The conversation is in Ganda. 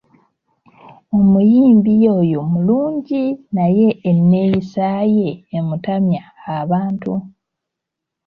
Omuyimbi oyo mulungi naye enneeyisa ye emutamya abantu.